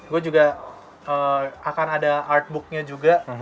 gue juga akan ada artbooknya juga